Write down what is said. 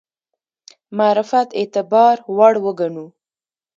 معرفت اعتبار وړ وګڼو.